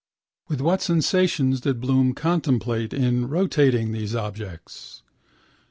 With what sensations did Bloom contemplate in rotation these objects?